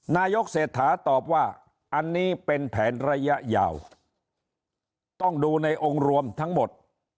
นายกเศรษฐาตอบว่าอันนี้เป็นแผนระยะยาวต้องดูในองค์รวมทั้งหมด